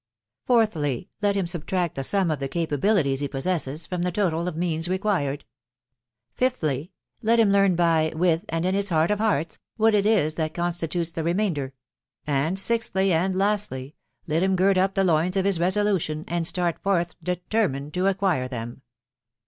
Fourthly, let him subtract the sum of the capa bilities he possesses from the total of means required. Fifthly, let him learn by, with, and in his heart of hearts, what it is that constitutes the remainder; and sixthly, and lastly, let him gird up the loins of his resolution, and start forth determined to acquire them.